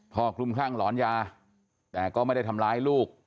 พอกลุ่มข้างหลอนยาแต่ก็ไม่ได้ทำร้ายลูก